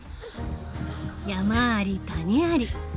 山あり谷あり。